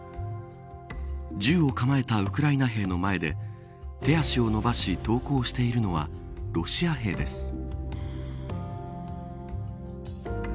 銃を構えたウクライナ兵の前で手足を伸ばし投降しているのはロシア兵です。